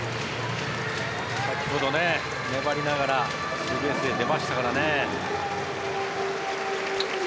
先ほど、粘りながらツーベースで出ましたからね。